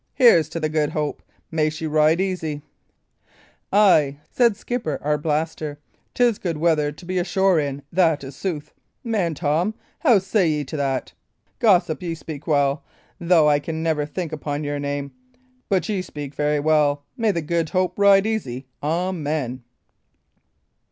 Here's to the Good Hope! May she ride easy!" "Ay," said Skipper Arblaster, "'tis good weather to be ashore in, that is sooth. Man Tom, how say ye to that? Gossip, ye speak well, though I can never think upon your name; but ye speak very well. May the Good Hope ride easy! Amen!"